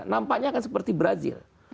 nampaknya akan seperti brazil